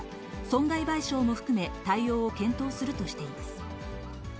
損害賠償も含め、対応を検討するとしています。